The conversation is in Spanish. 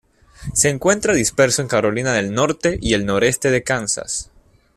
Se encuentra disperso en Carolina del Norte y el noreste de Kansas.